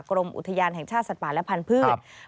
กรมอุทยานแห่งชาติสัตว์ป่าและพันธุ์